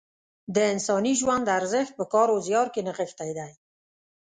د انساني ژوند ارزښت په کار او زیار کې نغښتی دی.